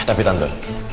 eh tapi tante